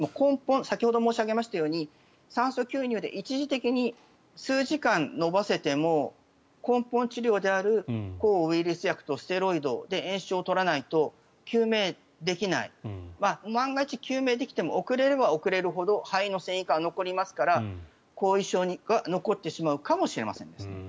先ほど申し上げましたように酸素吸入で一時的に数時間延ばせても根本治療である抗ウイルス薬とステロイドで炎症を取らないと救命できない万が一救命できても遅れれば遅れるほど肺の線維化が残りますから後遺症が残ってしまうかもしれません。